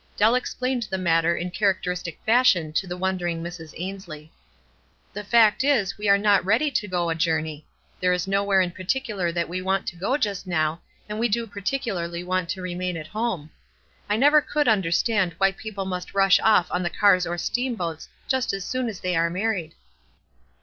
Dell explained the matter in characteristic fashion to ths wondering Mrs. Ainslie. "The fact is, we arc not ready to go a jour ney. There is nowhere in particular that we want to go just now, and we do particularly want to remain at home. I never could under stand why people must rush off on the cars or steamboats just as soon as they are married.